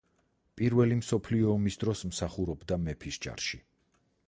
პირველი მსოფლიო ომის დროს მსახურობდა მეფის ჯარში.